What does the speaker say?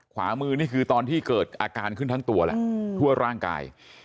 ขวามือนี่คือตอนที่เกิดอาการขึ้นทั้งตัวแล้วทั่วร่างกาย